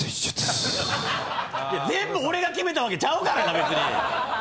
全部俺が決めたわけちゃうからな。